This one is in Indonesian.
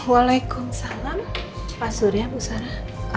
waalaikumsalam pak surya bu sara